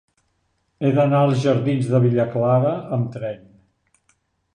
He d'anar als jardins de Villa Clara amb tren.